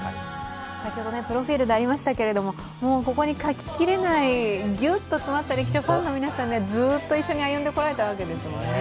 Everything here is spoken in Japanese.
先ほど、プロフィールでありましたけど、ここに書き切れないぎゅっと詰まった歴史をファンの皆さん、ずっと一緒に歩んでこられたんですよね。